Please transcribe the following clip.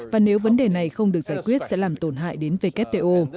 và nếu vấn đề này không được giải quyết sẽ làm tổn hại đến wto